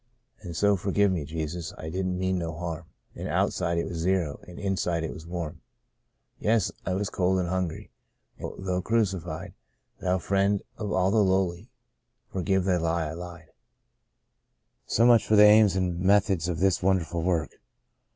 An' so fergive me, Jesus, I didn't mean no harm An' outside it was zero, an' inside it was warm — Yes ! 1 was cold and hungry, an' oh. Thou Crucified, Thou Friend of all the lowly, fergive the lie I lied." So much for the aims and methods of this wonderful work.